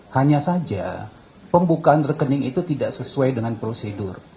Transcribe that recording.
hanya saja pembukaan rekening itu tidak sesuai dengan prosedur